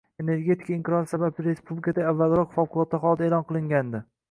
Energetika inqirozi sababli respublikada avvalroq favqulodda holat e’lon qilingandi